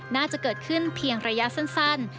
น่าจะเกิดขึ้นเพียงระยะสั้น